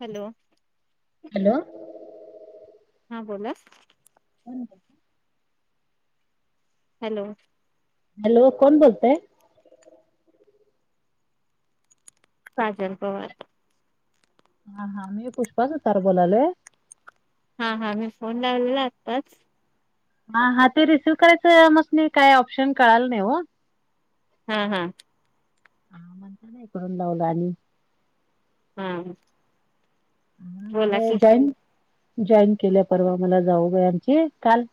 Hello hello हा बोला [inaudible] hello hello कोण बोलतय काजल पवार हा हा मी पुष्पा सुतार बोलालोय हा हा मी फोन लावलेला आत्ताच हा हा ते रिसिव करायचं आम्हसीन काय ऑप्शन कळाला नाही हो हम्म हम्म हा म्हणता ना इकडून लावला आणि हम्म जॉईन जॉईन केल्या परवा मला जाऊ बाई आमची काल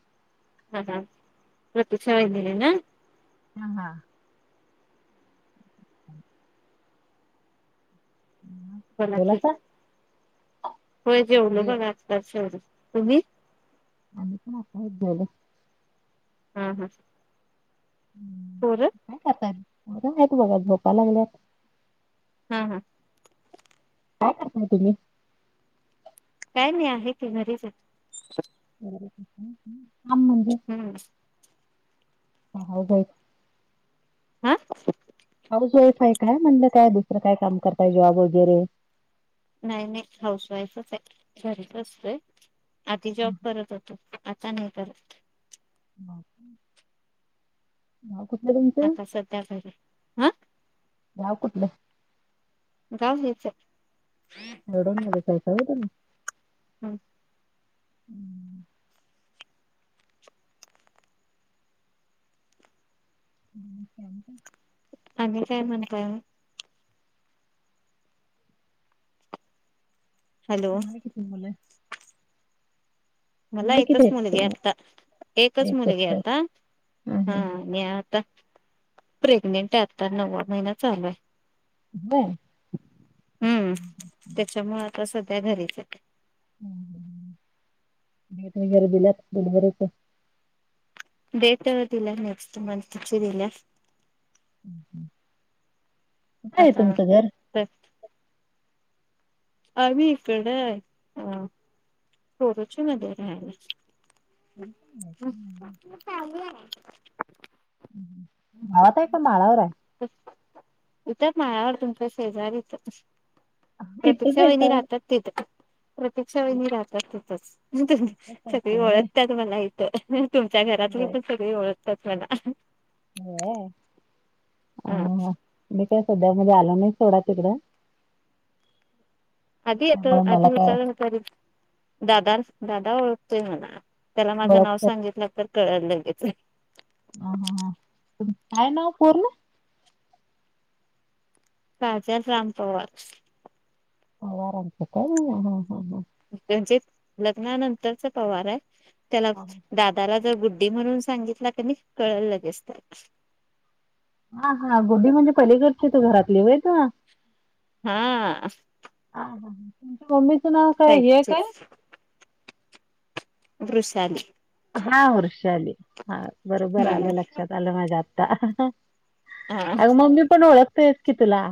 हा हा ऋतूच्या वहिनीने ना हम हा बोला की जेवलासा? होय जेवलो जेव बघ आत्ताच तुम्ही आम्ही पण आत्ताच जेवलो हम्म हम् हं काय करत्यात आता आहेत बघा झोपाय लागल्यात हा-हा काय करताय तुम्ही काय नाही आहेत की घरीच आहेत. [inaudible] हम्म हा-होय बई हा फय काय म्हणलं काय दुसरं काय काम करताय जॉब वगैरे नाही नाही हाऊस वाईफच आहे घरीच असतोय आधी जॉब करत होतो. आता नाहीे करत हो आता सध्या घरी हा गावं कुठलं गाव हेच आहे. एवढ [inaudible] आहेसा होय तुम्ही [inaudible] हम्म [inaudible] आणि काय म्हणताय हॅलो तुम्हाला किती मुलं मला मुलं किती एकच आहेत मुलगी तुम्हाला? आता एकच मुलगी आता हा हा प्रेग्नेंट आहे आता नववा महिना चालू आहे व्हय हम्म त्याच्या मुळं आता सध्या घरीच आहे मत गर बिला दोन वरच डेट दिल्या नेक्स्ट मन्थ ची दिल्या कुठंय आहे आता तुमचं घर तर आम्ही इकडे अ कोरुची मध्ये राहायला [inaudible] गावात आहे काय माळावर आहे इथच माळावर तुमच्यां शेजारी इथ तश इथंच वहि हायसा. राहतात तेिथ प्रत्यक्ष वे राहतात तसच सगळी ओळख होय. त्यात मला इथ तुमच्या घरात सगळे ओळखतात मला व हा ह ह सध्या म आलो नाही थोडा तिकडा आधी येत आधी येत तरी दादा दादा ओळखतोय म्हणा त्याला माझं ओळख नाव सांगितलं तर कळाल लगेच अ ह ह काय नाव पूर्ण काझच राम पव ह आराम करत हा हा हा त्यां लग्नानंतरच पवार आहे त्याला हा. दादाला जर बुध म्हणून सांगितला क कळ लगेसत हा हा गु्ी म्हणजे पलीकडची त घरातली होय हा अ मम्मी तचं नाव काय हे काय साहित्यच दृश्यात हा वर्षा आली हा बरोबर हम्म आलं लक्षात आलं माझ्या आत्ता हा अगं मम्मी पण ओळखतेयस की तुला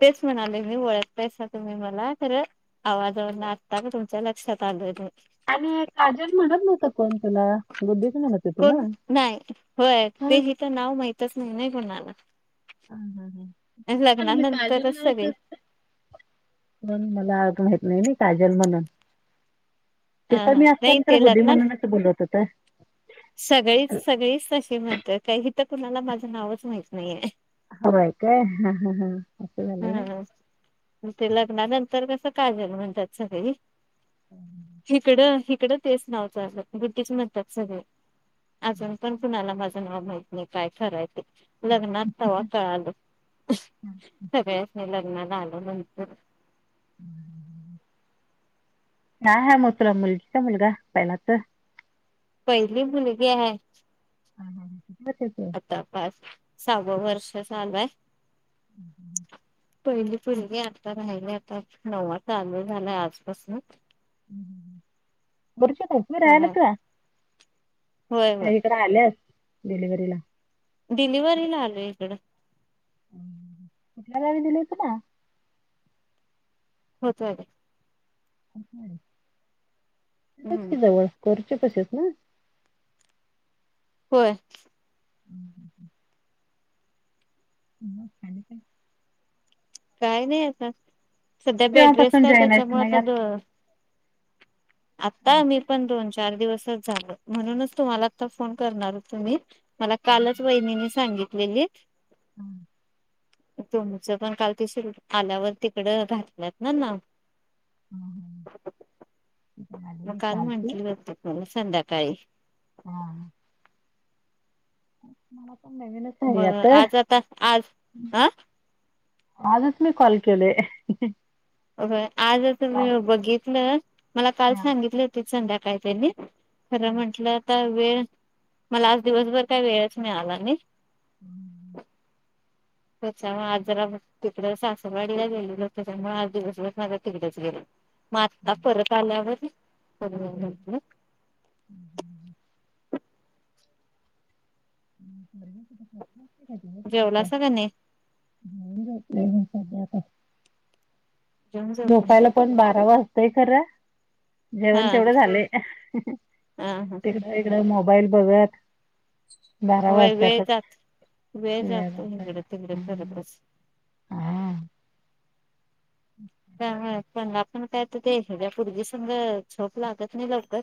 तेच म्हणाले मी वळखतायसा तुम्ही मला तरं आवाजवरन तुमच्या लक्षात आलोय. त कोोतला गुद्दीी. कोण नाही होय हा ते हा हि तर नाव माहितच नाही नाही कोणाला. हा हा हाल मी काज लग्नानंतरच लावत. सगळी [unintelligible] मम मला आ नाही नाही काजल म्हणून, अ तिथं मी नाही असल्यानंतर ते गुड्डी लग्ना म्हणूनच बोलत होत. सगळीच सगळीच तशी म्हणत्यात काही इथं कुणाला माझं नावच माहित नाहीे. हवाय काय. हा हा हा असं झालं व्हय. हम ते लग्नानंतर कसं काजल म्हणतात सगळी. हिकडं हिकडं तेच नावचचालं गुट्टीच म्हणतात सगळे. अजून पण कुणाला माझं नाव माहित नाही काय खरंय. लग्नात तवा कळालं भ्यास नाही लग्नाला आलो म्हणतात. [unintelligible] हा हा म तुला मुलगीचा मुलगा पहिला तर. पहिली मुलगी हाय. हा, हा, हा. किती वर्षाची आहे? आता पाच सहावं वर्ष चालूय. पहिली फलगे हतात. राहिले आता नव्वा चालू झालाय आजपासून. बर्शीत उभ राहिलं बघाय का. होय होय काइ इकड आल्यात डिलिव्हरीला. डिलिव्हरी ला आलो इकडं. वी दिले होत ना. होतय ते. च हम्म कि जवळ करचे कसेच ना [unintelligible] होय. हम्म हम् ह् [unintelligible] ह खड ते [unintelligible] काही नाही आता तू सध्या बेड्रेस केव्हापासून जॉईन आहेस त्याच्यामुळे मग आता यात आता मी आमचे? पण दोन चार दिवसच झालो, म्हणूनच तुम्हाला आता फोन करणार होतो मी. मला हा, कालच वहिनीने सांगितलेली. हम्. तुमचं पण काल तिशी आल्यावर तिकड घातलंत ना नाव हा. इकडे मग आलेली काल कालची म्हणटली खूप ग संध्याकाळी हम. म नवीनच झाली मग आता. आज आज अ आजच मी कॉल केलोय. आज त बघितलं मला काल हा सांगितलं होती संध्याकाळी त्यांनी. खरं हम्म. म्हंटलं तर वेळ मला आज दिवसभर काय वेळच मिळाला नाही. हम्म. त्याच्या आज जरा ब तिकड सासरवाडीला गेलेलो त्याच्यामुळे आज दिवसभर माझा तिकडेच गेलं. म आत्ता परत आल्यावर. हो हो. बया तु स [unintelligible] जेवला सा का नाही. नाही घातले सध्या आता. जेवून झोपले. झोपयला पण बारा वाजतंय खरं. हा जेवण तेवढं झालय हा हा तिकडं इकडं मोबाईल बघत. बारा होय वेळ वाजत्यातच. जात वेळ जातो इकडं तिकडं करतच. हा पण आपण काय तर ते द्यायचं पोरगी संघ झोप लागत नाही लवकर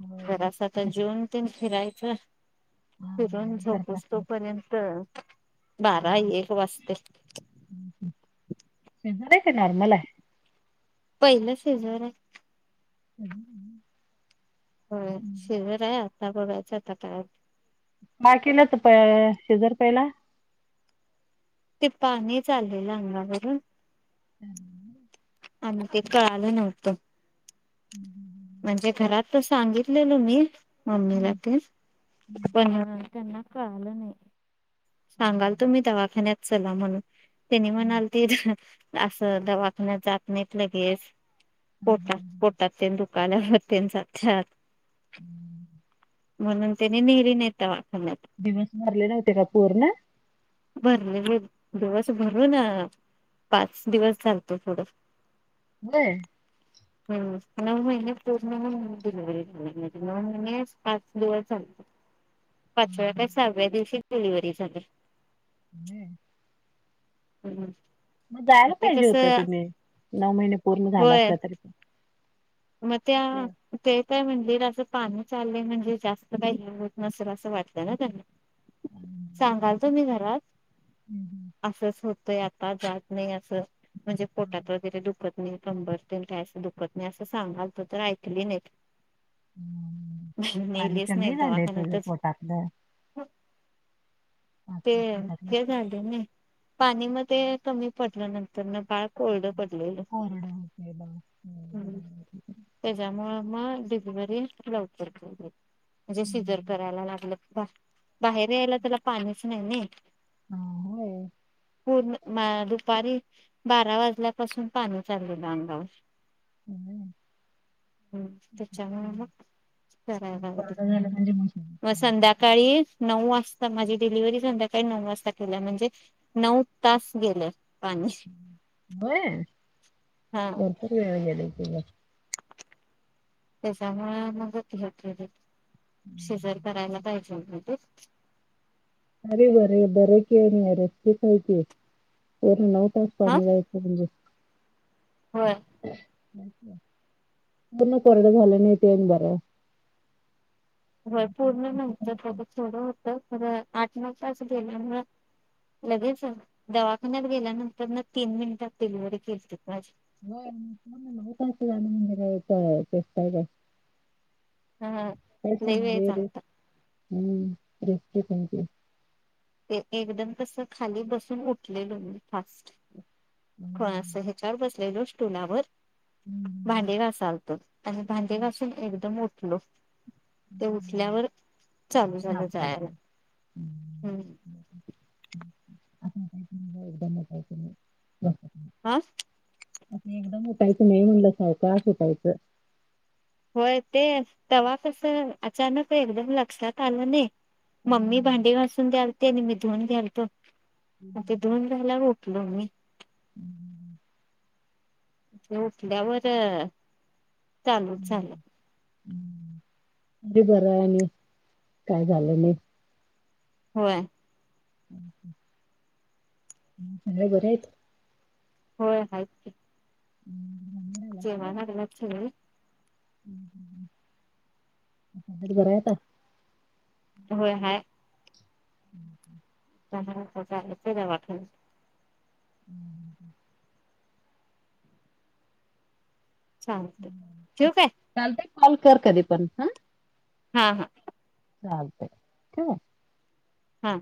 होय जरा असं तर जेवून तन फिरायचं फिरून व्यायाम करत झोपूस असतात. तोपर्यंत, बारा एक वाजतयं सिजर हाय काय नॉर्मल हाय पहिलं सिझर हाय [inaudible] होय सिझर आहे आता बघायचा आता काय माज केलंत प सिझर पहिला ते पाणी चालेल अंगावरून हम् आणि ते कळाल नवत. हम्म हम्म म्हणजे घरात तर सांगितलेल मी मम्मी ला हम्म, तेन त्यांना कळालं नाही सांगाल तो मी दवाखान्यात चला म्हणून त्यानी हम्म, म्हणालती त असं दवाखानयात जात नाहीत लगेच पोटात हम्म. पोटात ते दुखाल्यावर तीन जातात हम्म म्हणून त्यांनी नेली नाय तवा दिवस भरले नव्हते का पूर्ण भरलेले दिवस भरू न पाच दिवस चालतो थोडं होय हम् नऊ महिने पूर्ण होऊन डिलेवरीझालेली नऊ महिने पाच दिवस चाल ह [inaudible] पाचव्या का सहाव्या दिवशी डिलिव्हरी झाली. हम्म हम्म् मग जायला पाहिजे होत तुम्ही नऊ महिने पूर्ण झाला असला तरी म ते काय म्हणल असं पाणी चाललंय म्हणजे जास्त काय हे होत नसेल असं वाटतल ना त्यांना. हम्म, सांगालतो मी घरात हम्म, अस असा होत आता जात नाही अस म्हणजे पोटात वगैरे दुखत नाही कंबर काय असं दुखत नाय सांगाल तो तर ऐकली नाहीत हम्म. पाणी नेलीच नाही कमी झालंय तुझं दवाखान्यातच पोटातलं ते पोटातलं ते झाले ना पाणी मध्ये कमी पडलं नंतर न बाळ कोरडं पडलेलं कोरडं होते बा. ह बरोबर. आहे. त्याच्यामुळे मग बरी लवकर म्हणजे हम्म. शिजर करायला लागल बा बाहेर यायला त्याला पाणीच नाहीनाय हा, होय. पूर्ण म दुपारी बारा वाजल्यापासून पाणी चाललेलं अंगावर हम् त्याच्यामुळे मग कोरोना झाला म्हणजे मग सांगितलं. संध्याकाळी नऊ वाजता माझी डिलिव्ही संध्याकाळी नऊ वाजता केली म्हणजे नऊ तास गेलं होय हा भरपूर वेळ गेले तुला. त्याच्यामुळे मगती हो शेजर करायला पाहिजे [unintelligible] पाणीला म्हणजे हो पूर्ण कोरडं झालं नाही ते बर होय पूर्ण नंतर बघ थोडं होतंर आठ नऊ तास गेल्यामुळे लगेच दवाखान्यात गेल्यानंतर ना तीन मिनिटात डिलिव्हरी केली त माझी हो अस जाण म्हणजे काय तेस काय काय हा कास लई ना वेळ वर झालता हम्मे एकदम तस खाली बसून उठलेल मी फट हम् हो असं ह्याच्यावर बसलेलोस टोलावर भांडेला लतो आणि भांडे वासून एकदम उठलो ते उठल्यावर चालू दाब झालं पडले जायला हम्म आ काही एकद काही नाही ब आा अस एकदम उटायचं नाही म्हणलं असयचं असटायचं होय ते तेव्हा तस अचानक एकदम लक्षात आलं नाही मम्मी हं. भांडी वाासून द्यालते आणि मी धुून घ्यालतो ते धुून जायला ग हमी हम्म झ उठल्यावर चालूच झालं हं, अरे बरं आहे मी काय झालं नाही होय हम् चांगले बरे आहेत होय हाच हम्म जे म नच त बरायता होय हा हम्म ह् चाल ते वाठ हम्म चालतय ठेवू काय? काॅल कर कधी पण हा. हा हा चालत ठेवू काय? हा